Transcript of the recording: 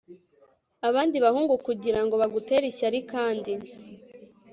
abandi bahungu kugirango bagutera ishyari kandi